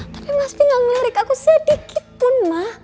tapi mas be ga ngelirik aku sedikit pun ma